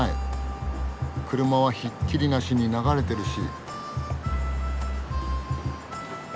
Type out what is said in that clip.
車はひっきりなしに流れてるし。